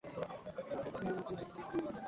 It is most widely known as a component of collagen.